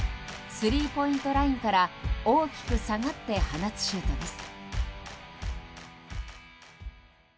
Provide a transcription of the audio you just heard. スリーポイントラインから大きく下がって放つシュートです。